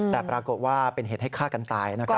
แต่ปรากฏว่าเป็นเหตุให้ฆ่ากันตายนะครับ